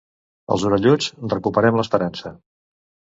Els orelluts recuperem l’esperança.